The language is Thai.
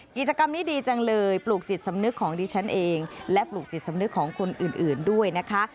กิจกรรมนี้ดีจังเลยปลูกจิตสำนึกของดิฉันเองและปลูกจิตสำนึกของคนอื่นด้วยนะคะ